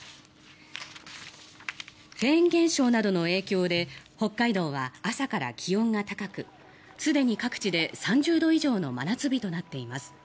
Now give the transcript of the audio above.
フェーン現象などの影響で北海道は朝から気温が高くすでに各地で３０度以上の真夏日となっています。